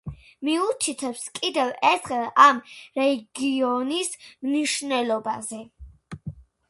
მიუთითებს კიდევ ერთხელ ამ რეგიონის მნიშვნელობაზე.